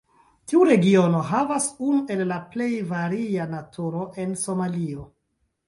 Tiu regiono havas unu el la plej varia naturo en Somalio.